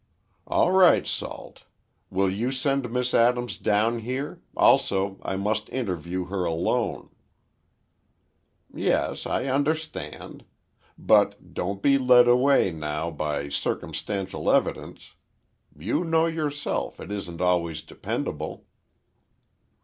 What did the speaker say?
"All right, Salt. Will you send Miss Austin down here—also, I must interview her alone." "Yes—I understand. But don't be led away now, by circumstantial evidence. You know yourself, it isn't always dependable."